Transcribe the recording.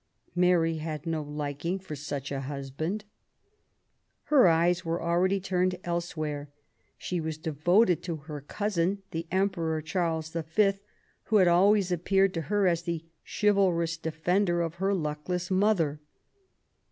Mary had no liking for such a husband. Her eyes were already turned elsewhere. She was devoted to her cousin, the Emperor Charles V., who had always appeared to her as the chivalrous defender of her luckless mother.